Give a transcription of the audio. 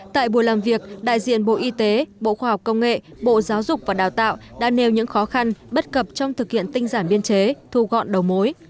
tại buổi làm việc đại diện bộ y tế bộ khoa học công nghệ bộ giáo dục và đào tạo đã nêu những khó khăn bất cập trong thực hiện tinh giản biên chế thu gọn đầu mối